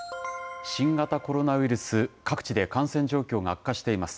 新型コロナウイルス、各地で感染状況が悪化しています。